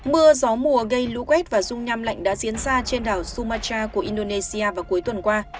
mưa gió mùa gây lũ quét và rung nhăm lạnh đã diễn ra trên đảo sumatra của indonesia vào cuối tuần qua